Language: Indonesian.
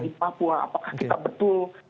di papua apakah kita betul